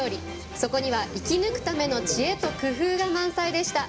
そこには生き抜くための知恵と工夫が満載でした。